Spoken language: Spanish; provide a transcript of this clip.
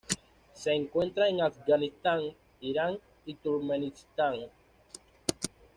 Se encuentra en Afganistán, Irán, y Turkmenistán.